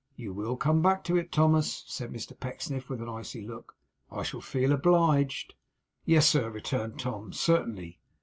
'If you will come back to it, Thomas,' said Mr Pecksniff, with an icy look, 'I shall feel obliged.' 'Yes, sir,' returned Tom, 'certainly.